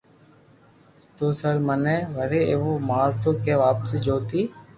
تو سر مني وري ايوُ مارتو ڪي واپسي ڇوتي